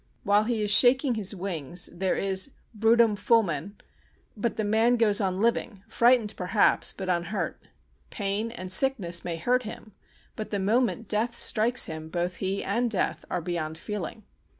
While he is shaking his wings, there is brutum fulmen but the man goes on living, frightened, perhaps, but unhurt; pain and sickness may hurt him but the moment Death strikes him both he and Death are beyond feeling.